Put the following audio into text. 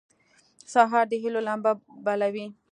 سهار د هيلو لمبه بلوي.